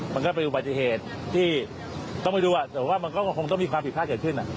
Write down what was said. มันก็เป็นอุบัติเหตุที่ต้องไปดูแต่ว่ามันก็คงต้องมีความผิดพลาดเกิดขึ้น